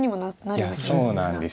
いやそうなんです。